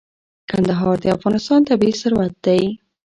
کندهار د افغانستان طبعي ثروت دی.